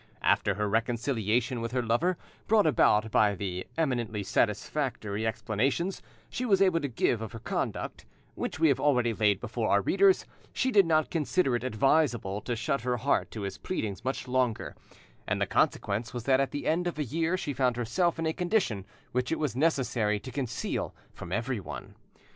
After her reconciliation with her lover, brought about by the eminently satisfactory explanations she was able to give of her conduct, which we have already laid before our readers, she did not consider it advisable to shut her heart to his pleadings much longer, and the consequence was that at the end of a year she found herself in a condition which it was necessary to conceal from everyone.